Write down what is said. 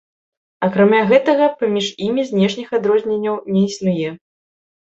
Акрамя гэтага, паміж імі знешніх адрозненняў не існуе.